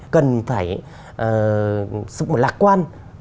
cần phải lạc quan